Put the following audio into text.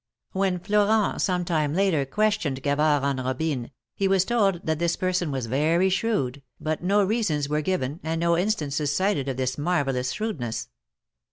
When Florent some time later questioned Gavard on Robine, he was told that this person was very shrewd, but no reasons were given, and no instances cited of this marvellous shrewdness.